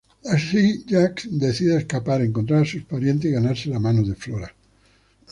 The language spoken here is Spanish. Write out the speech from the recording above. Así Jacques decide escapar, encontrar a sus parientes y ganarse la mano de Flora.